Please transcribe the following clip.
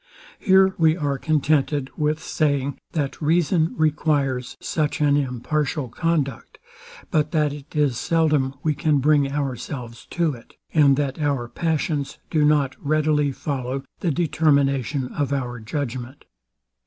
Here we are contented with saying, that reason requires such an Impartial conduct, but that it is seldom we can bring ourselves to it, and that our passions do not readily follow the determination of our judgment.